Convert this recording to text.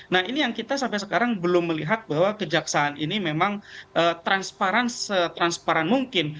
nah ini yang kita sampai sekarang belum melihat bahwa kejaksaan ini memang transparan setransparan mungkin